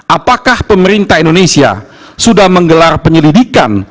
apakah pemerintah indonesia sudah menggelar penyelidikan